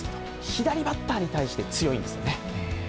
左バッターに対して強いんですよね。